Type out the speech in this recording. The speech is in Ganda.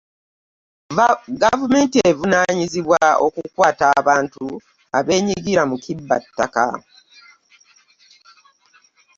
goavument evunanyizibwa okukwata abantu abenyigira mu kibba ttaka